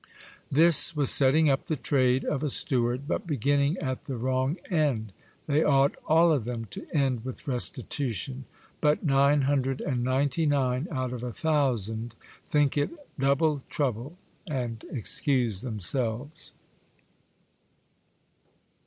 This was setting up the trade of a steward, but beginning at the wrong end : they ought all of them to end with restitution ; but nine hundred and ninety nine out of a thousand think it double trouble, and excuse themselves.